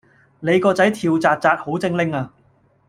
你個仔跳紥紥好精靈呀